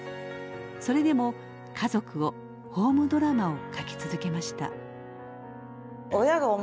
それでも家族をホームドラマを書き続けました。